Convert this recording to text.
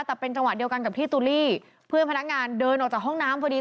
แต่เป็นจังหวะเดียวกันกับที่ตูลี่เพื่อนพนักงานเดินออกจากห้องน้ำพอดี